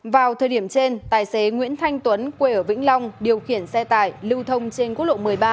vào thời điểm trên tài xế nguyễn thanh tuấn quê ở vĩnh long điều khiển xe tải lưu thông trên quốc lộ một mươi ba